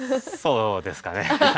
そうですかね。